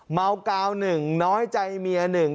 เมากาวหนึ่งน้อยใจเมียหนึ่ง